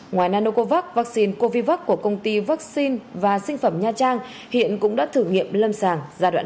ngoài nanocovax vaccine covivac của công ty vaccine và sinh phẩm nha trang hiện cũng đã thử nghiệm lâm sàng giai đoạn hai